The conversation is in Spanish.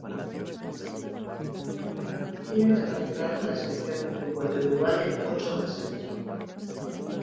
Ha sido internacional con la Selección de fútbol de Uruguay en ocho ocasiones.